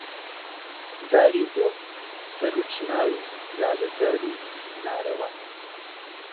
داری گوڵ، سەرو و چنار و لالەزار و نارەوەن